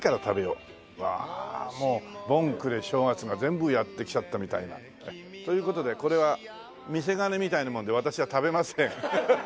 うわもう盆暮れ正月が全部やって来ちゃったみたいな。という事でこれは見せ金みたいなもので私は食べません。